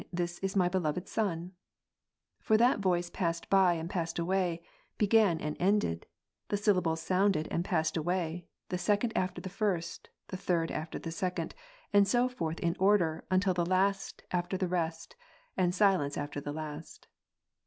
This is My beloved Son ? For that voice passed by and passed away, began and ended ; the syllables sounded and passed away, the second after the first, the third after the second, and so forth in order, until the last after the rest, and silence after the last.